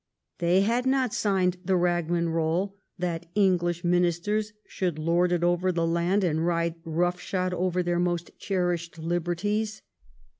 They had not signed the liagman Eoll that English ministers should lord it over the land, and ride roughshod over their most cherished liberties.